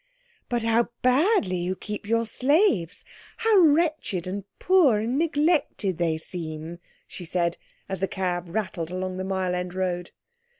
"But how badly you keep your slaves. How wretched and poor and neglected they seem," she said, as the cab rattled along the Mile End Road.